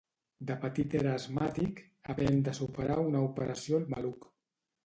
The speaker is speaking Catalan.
De petit era asmàtic, havent de superar una operació al maluc.